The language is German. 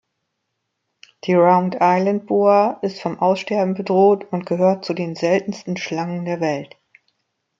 Die Round-Island-Boa ist vom Aussterben bedroht und gehört zu den seltensten Schlangen der Welt.